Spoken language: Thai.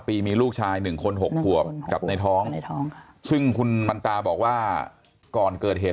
ปีมีลูกชาย๑คน๖ขวบกับในท้องซึ่งคุณมันตาบอกว่าก่อนเกิดเหตุ